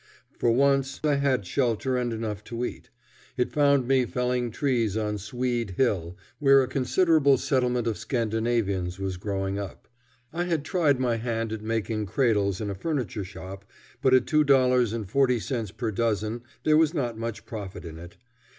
For once I had shelter and enough to eat. It found me felling trees on Swede Hill, where a considerable settlement of Scandinavians was growing up. I had tried my hand at making cradles in a furniture shop, but at two dollars and forty cents per dozen there was not much profit in it.